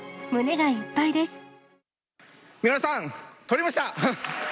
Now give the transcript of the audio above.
胸がいっぱいです。